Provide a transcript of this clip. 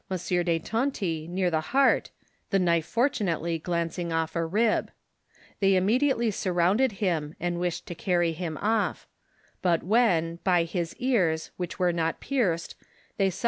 de Tonty near the heart, the knife fortunately glancing off a rib. They imme diately surrounded him, and wished to cany him off; but when, by his ears, which were not pierced, they saw that ho m^m ft i "f '^i 1 'i ■■ 1